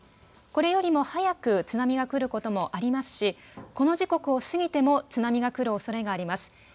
これよりも早く津波が来ることもありますし、この時刻を過ぎても津波が来るおそれがあります。